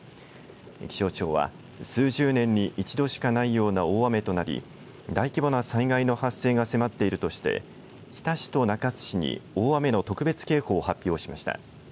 気象庁は数十年に一度しかないような大雨となり大規模な災害の発生が迫っているとして日田市と中津市に大雨の特別警報を発表しました。